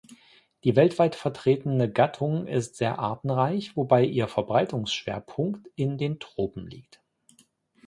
Die weltweit vertretene Gattung ist sehr artenreich, wobei ihr Verbreitungsschwerpunkt in den Tropen liegt.